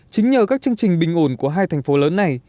chính nhờ các chương trình bình ổn của hai thành phố lớn này